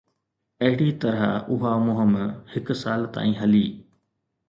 اهڙي طرح اها مهم هڪ سال تائين هلي.